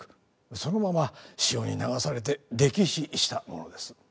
そのまま潮に流されて溺死したものです。